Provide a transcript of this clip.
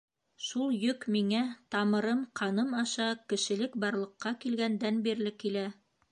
Шул йөк миңә тамырым, ҡаным аша Кешелек барлыҡҡа килгәндән бирле килә.